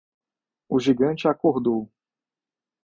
O gigante acordou